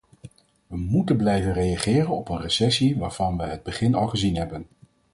We moeten blijven reageren op een recessie waarvan we het begin al gezien hebben.